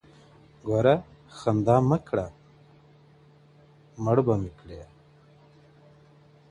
• گوره خندا مه كوه مړ به مي كړې.